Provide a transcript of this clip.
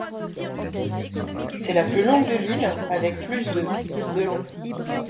C’est la plus longue de l’île, avec plus de de long.